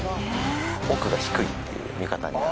奥が低いっていう見方になる。